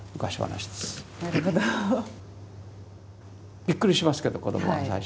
びっくりしますけど子どもは最初。